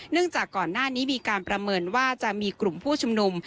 จากก่อนหน้านี้มีการประเมินว่าจะมีกลุ่มผู้ชุมนุม